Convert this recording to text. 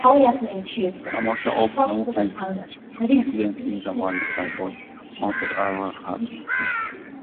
A motion of no confidence in the municipal council earlier had failed.